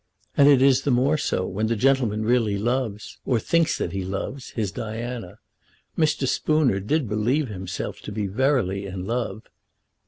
And it is the more so when the gentleman really loves, or thinks that he loves, his Diana. Mr. Spooner did believe himself to be verily in love.